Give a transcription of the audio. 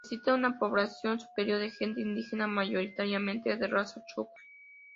Existe una población superior de gente indígena mayoritariamente de raza chuj.